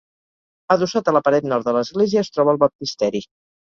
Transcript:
Adossat a la paret nord de l'església es troba el baptisteri.